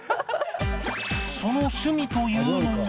その趣味というのが